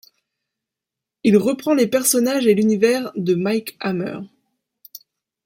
Il reprend les personnages et l'univers de Mike Hammer.